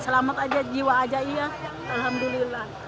selamat aja jiwa aja iya alhamdulillah